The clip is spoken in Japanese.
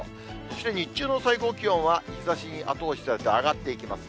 そして日中の最高気温は、日ざしに後押しされて、上がっていきます。